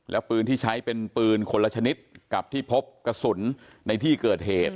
และปืนที่ใช้เป็นปืนคนละชนิดกับที่พบกระสุนในที่เกิดเหตุ